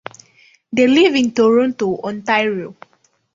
They live in Toronto, Ontario.